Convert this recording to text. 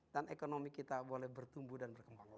dan ekonomi kita boleh bertumbuh dan berkembang lagi